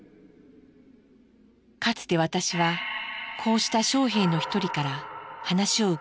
かつて私はこうした将兵の一人から話を伺ったことがあります。